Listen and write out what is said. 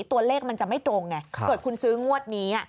ตัวเลขมันจะไม่ตรงไงเกิดคุณซื้องวดนี้